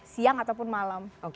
siang ataupun malam